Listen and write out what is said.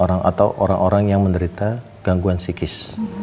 orang atau orang orang yang menderita gangguan psikis